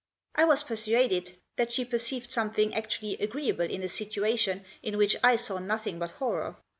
I was persuaded that she perceived something actually agreeable in a situation in which I saw nothing but horror.